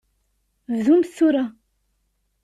Bdumt tura.